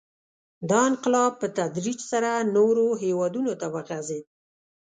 • دا انقلاب په تدریج سره نورو هېوادونو ته وغځېد.